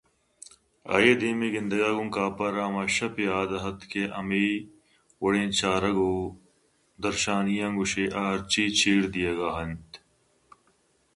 آئی ءِ دیمءِگندگ ءَ گوں کاف ء را ہما شپ یات اتک کہ ہمے وڑیں چارگ ءُدرشانیاں گوٛشئے آ ہرچی چیردیگ ءَ اِنت